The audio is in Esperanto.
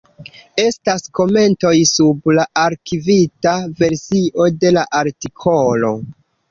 Estas komentoj sub la arkivita versio de la artikolo.